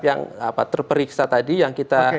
yang terperiksa tadi yang kita